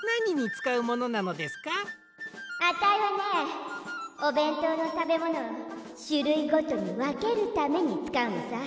あたいはねおべんとうのたべものをしゅるいごとにわけるためにつかうのさ。